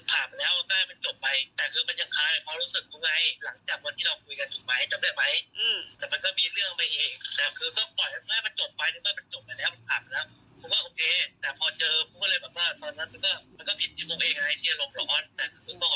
ฟุ๊กพูดคำว่า